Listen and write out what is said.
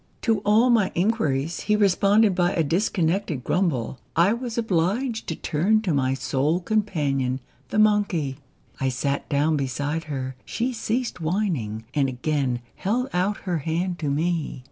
To all my inquiries he responded by a dis connected grumble. I was obliged to turn to my sole companion, the monkey. I sat down beside her ; she ceased whining, and again held out her hand to me.